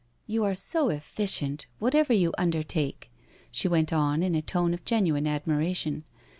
'* You are so efficient whatever you undertake," she went on in a tone of genuine admiration.